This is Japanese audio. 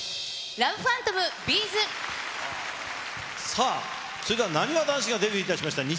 さあ、それではなにわ男子がデビューいたしました